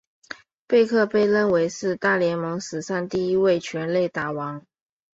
贝克被认为是大联盟史上第一位全垒打王。